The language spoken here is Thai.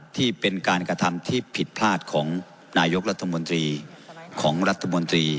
ที่เป็นการกระทำที่ผิดพลาดของนายกรัฐมนตรีของรัฐมนตรี